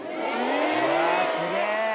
うわすげぇ。